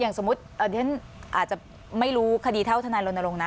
อย่างสมมติอาจจะไม่รู้คดีเท้าทนัยลนลงนะ